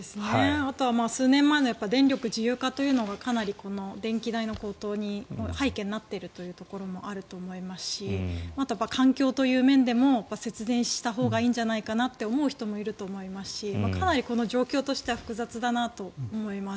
あとは数年前の電力自由化というのがかなり電気代の高騰の背景になっているというところもあると思いますし環境という面でも節電したほうがいいんじゃないかと思う人もいると思いますしかなりこの状況としては複雑だなと思います。